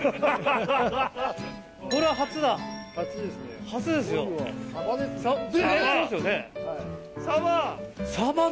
これは初だ。